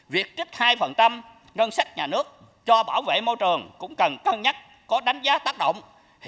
việc trích hai ngân sách nhà nước cho bảo vệ môi trường cũng cần cân nhắc có đánh giá tác động